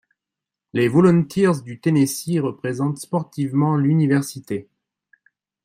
Les Volunteers du Tennessee représentent sportivement l'université.